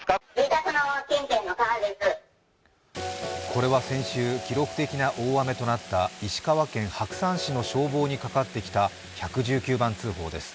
これは先週、記録的な大雨となった石川県白山市の消防にかかってきた１１９番通報です。